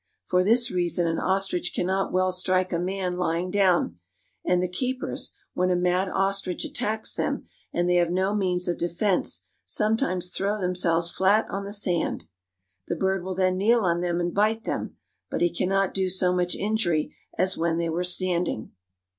For this reason an ostrich can not well strike a man lying down ; and the keepers, when a mad ostrich attacks them and they have no means of defense, sometimes throw them selves flat on the sand. The bird will then kneel on them and bite them; but he can not do so much injury as when they were standing.